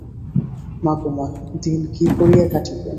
মা গো মা, দিন কী করিয়া কাটিবে।